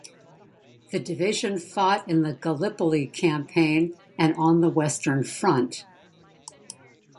The division fought in the Gallipoli Campaign and on the Western Front.